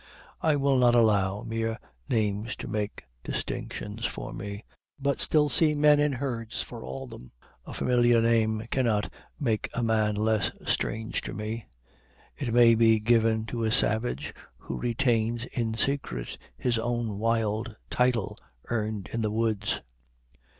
I will not allow mere names to make distinctions for me, but still see men in herds for all them. A familiar name cannot make a man less strange to me. It may be given to a savage who retains in secret his own wild title earned in the woods.